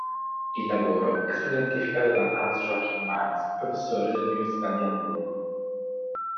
Il lavoro è stato identificato da Hans Joachim Marx, professore dell'Università di Amburgo.